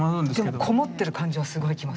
でもこもってる感じはすごいきますよね